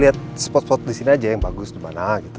lihat spot spot disini aja yang bagus dimana gitu